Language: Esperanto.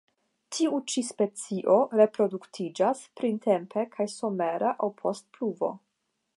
Tiu ĉi specio reproduktiĝas printempe kaj somere aŭ post pluvo.